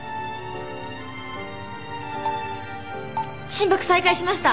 心拍再開しました。